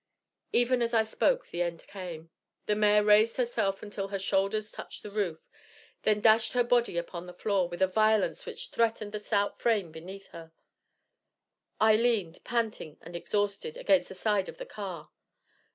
Even as I spoke the end came. The mare raised herself until her shoulders touched the roof, then dashed her body upon the floor with a violence which threatened the stout frame beneath her. I leaned, panting and exhausted, against the side of the car.